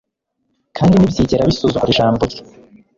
kandi ntibyigera bisuzugura ijambo rye